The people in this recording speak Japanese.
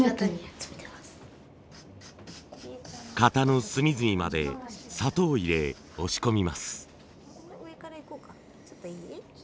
型の隅々まで砂糖を入れ押し込みます。